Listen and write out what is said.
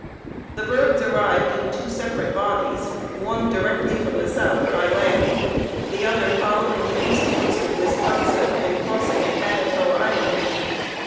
The birds arrived in two separate bodies, one directly from the south by land, the other following the east coast of Wisconsin, and crossing at Manitou Island.